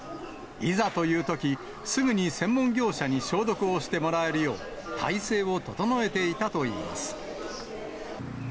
いざというとき、すぐに専門業者に消毒をしてもらえるよう、体制を整えていたといいます。